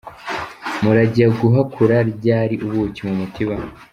Murajya guhakura ryari ubuki mumutiba.